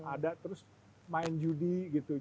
ada terus main judi gitu